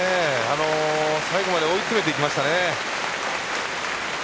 最後まで追い詰めていきましたね。